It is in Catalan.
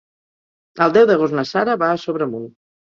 El deu d'agost na Sara va a Sobremunt.